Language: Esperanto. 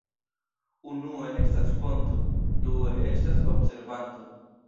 Unue estas fonto, due estas observanto.